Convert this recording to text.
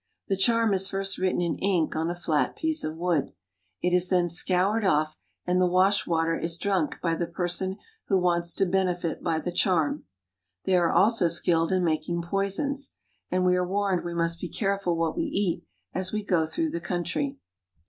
The charm is first written in ink on a fiat piece of wood. It is then scoured off, and the wash water is drunk by the person who wants to benefit by the charm. They are also skilled in making poisons; and we are warned we must be careful what we eat as we go through the country.